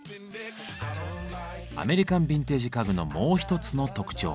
アメリカンビンテージ家具のもう一つの特徴。